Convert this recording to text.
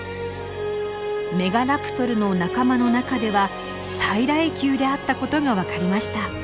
メガラプトルの仲間の中では最大級であったことが分かりました。